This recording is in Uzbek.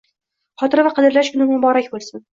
Xotira va qadrlash kuni muborak bo'lsin!